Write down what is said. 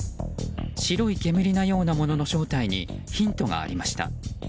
白い煙のようなものの正体にヒントがありました。